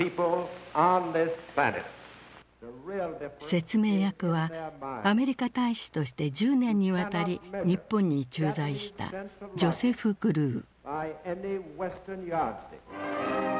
説明役はアメリカ大使として１０年にわたり日本に駐在したジョセフ・グルー。